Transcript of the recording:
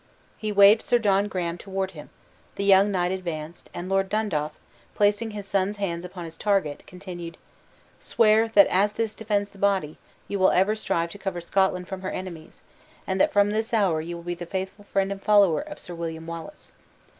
He waved Sir John Graham toward him; the young knight advanced, and Lord Dundaff, placing his son's hands upon his target, continued, "Swear, that as this defends the body, you will ever strive to cover Scotland from her enemies; and that from this hour you will be the faithful friend and follower of Sir William Wallace."